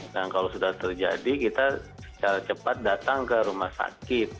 dan kalau sudah terjadi kita secara cepat datang ke rumah sakit